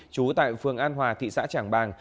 chú tại phường an hòa thị xã trảng bàng